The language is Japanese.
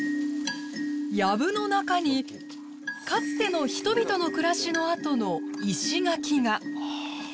やぶの中にかつての人々の暮らしの跡の石垣が。